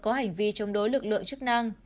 có hành vi chống đối lực lượng chức năng